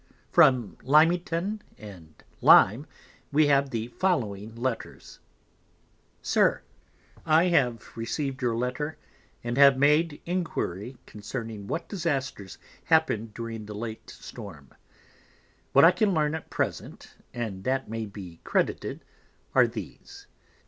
From Lymington and Lyme we have the following Letters: SIR, I receiv'd your Letter, and have made Enquiry concerning what Disasters happen'd during the late Storm; what I can learn at present, and that may be credited, are these.